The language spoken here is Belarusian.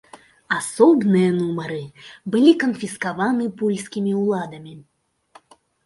Асобныя нумары былі канфіскаваны польскімі ўладамі.